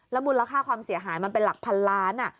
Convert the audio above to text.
มูลค่าความเสียหายมันเป็นหลักพันล้าน